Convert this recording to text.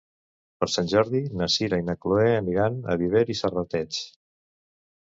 Per Sant Jordi na Sira i na Chloé aniran a Viver i Serrateix.